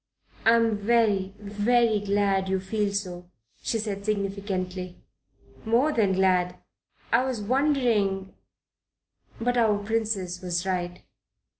"I'm very, very glad you feel so," she said significantly. "More than glad. I was wondering ... but our dear Princess was right."